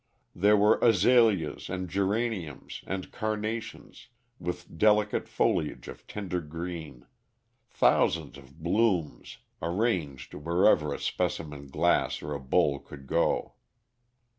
There were azaleas and geraniums and carnations, with delicate foliage of tender green, thousands of blooms, arranged wherever a specimen glass or a bowl could go.